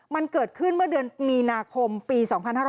มันเกิดขึ้นเมื่อเดือนมีนาคมปี๒๕๕๙